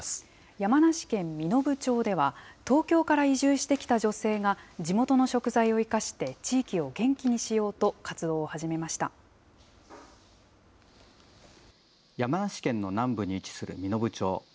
山梨県身延町では、東京から移住してきた女性が地元の食材を生かして地域を元気にし山梨県の南部に位置する身延町。